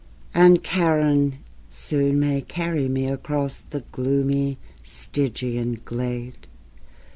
And Charon soon may carry me Across the gloomy Stygian glade?